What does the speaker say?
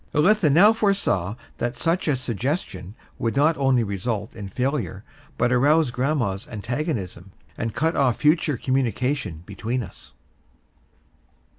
Elitha now foresaw that such a suggestion would not only result in failure, but arouse grandma's antagonism, and cut off future communication between us.